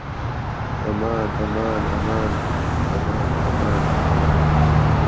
ئەمان ئەمان ئەمان ئەمان ئەمان ئەمان